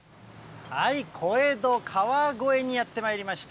小江戸、川越にやってまいりました。